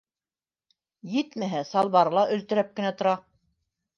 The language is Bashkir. Етмәһә, салбары ла өлтөрәп кенә тора.